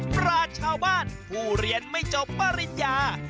ราชชาวบ้านผู้เรียนไม่จบปริญญา